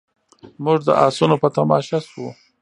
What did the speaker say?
موږ د اسونو په تماشه شوو.